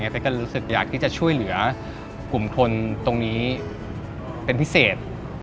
เป๊กก็รู้สึกอยากที่จะช่วยเหลือกลุ่มทนตรงนี้เป็นพิเศษ